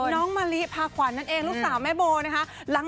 น้องมะลิพาขวัญนั่นเองลูกสาวแม่โบนะคะ